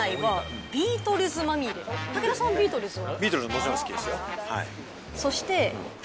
武田さんビートルズは？